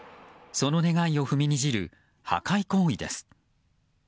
その願いを踏みにじる破壊行為です。